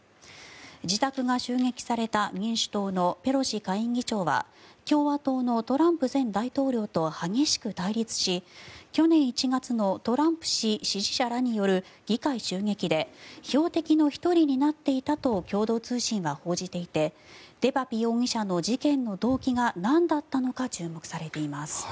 自宅が襲撃された民主党のペロシ下院議長は共和党のトランプ前大統領と激しく対立し去年１月のトランプ氏支持者らによる議会襲撃で標的の１人になっていたと共同通信は報じていてデパピ容疑者の事件の動機がなんだったのか注目されています。